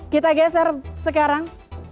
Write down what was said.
kita geser sekarang